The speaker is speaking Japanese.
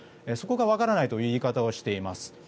そこがわからないという言い方をしています。